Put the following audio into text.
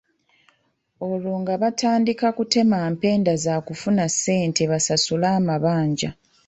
Olwo nga batandika kutema mpenda zaakufunamu ssente basasule amabanja.